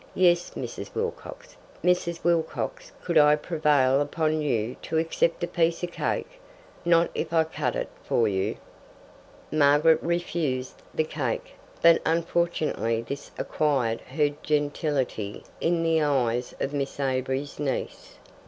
Yes, Mrs. Wilcox. Mrs. Wilcox, could I prevail upon you to accept a piece of cake? Not if I cut it for you?" Margaret refused the cake, but unfortunately this acquired her gentility in the eyes of Miss Avery's niece.